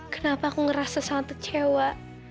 kenapa aku ngerasa sangat kecewa